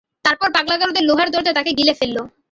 তারপর পাগলা গারদের লোহার দরজা তাকে গিলে ফেললো।